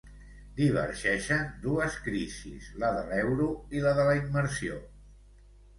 Divergeixen dues crisis, la de l'euro i la de la immersió.